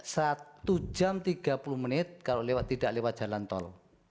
satu jam tiga puluh menit kalau tidak lewat jalan tol